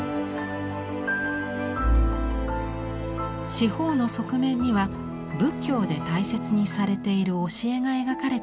四方の側面には仏教で大切にされている教えが描かれています。